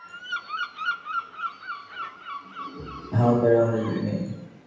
হাহাকার আর আহাজারি আর নেই।